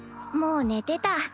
もう寝てた。